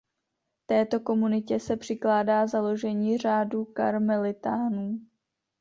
Této komunitě se přikládá založení řádu karmelitánů.